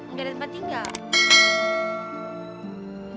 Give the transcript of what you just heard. nggak ada tempat tinggal